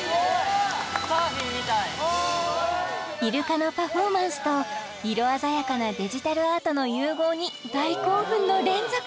・サーフィンみたいイルカのパフォーマンスと色鮮やかなデジタルアートの融合に大興奮の連続・